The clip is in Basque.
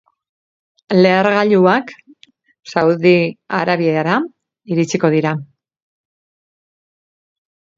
Lehergailuak Saudi Arabiara iritsiko dira.